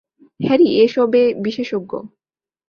Harry এসবে বিশেষজ্ঞ।